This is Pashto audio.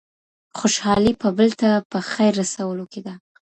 خوشحالي په بل ته په خیر رسولو کي ده.